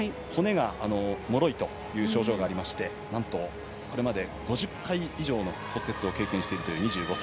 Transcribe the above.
骨がもろいという症状がありましてなんと、これまで５０か所の骨折を経験している２５歳。